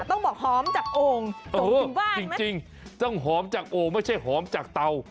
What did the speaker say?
ต้องบอกหอมจากโอ่งจริงต้องหอมจากโอ่งไม่ใช่หอมจากเตา